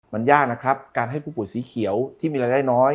มันยากนะครับการให้ผู้ป่วยสีเขียวที่มีรายได้น้อย